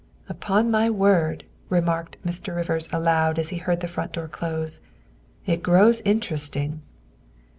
" Upon my word," remarked Mr. Rivers aloud as he heard the front door close, " it grows interesting."